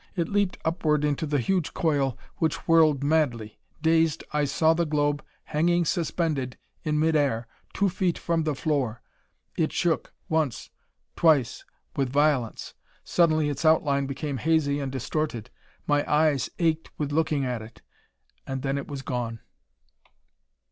It leaped upward into the huge coil, which whirled madly. Dazed, I saw the globe hanging suspended in mid air, two feet from the floor. It shook! Once! Twice! With violence! Suddenly its outline became hazy and distorted. My eyes ached with looking at it. And then it was gone!"